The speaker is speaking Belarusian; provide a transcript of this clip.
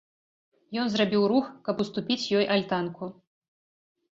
Ён зрабіў рух, каб уступіць ёй альтанку.